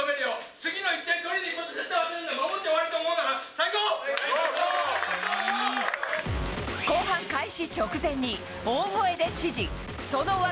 次の１点取りに行くこと絶対忘れるな、守って終わると思うな、後半開始直前に、大声で指示。